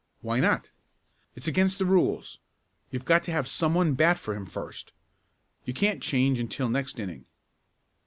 "Why not?" "It's against the rules. You've got to have some one bat for him first. You can't change until next inning."